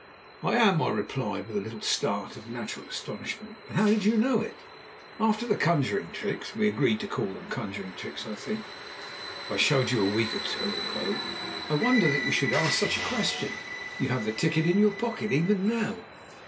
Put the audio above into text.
"I am," I replied, with a little start of natural astonishment. "But how did you know it?" "After the conjuring tricks we agreed to call them conjuring tricks, I think I showed you a week or two ago, I wonder that you should ask such a question. You have the ticket in your pocket even now."